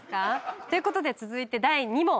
ていうことで続いて第２問。